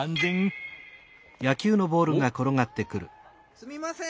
すみません！